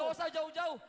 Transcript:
gak usah jauh jauh